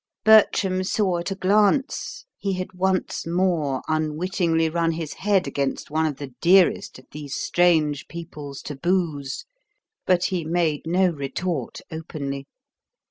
Bertram saw at a glance he had once more unwittingly run his head against one of the dearest of these strange people's taboos; but he made no retort openly.